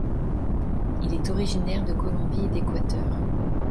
Il est originaire de Colombie et d'Équateur.